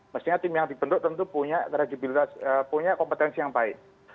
mestinya tim yang dibentuk tentu punya kompetensi yang baik